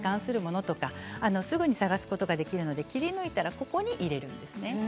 すぐに探すことができるので切り抜いたらここに入れるんです。